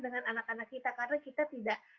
dengan anak anak kita karena kita tidak